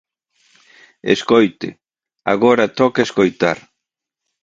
Escoite, agora toca escoitar.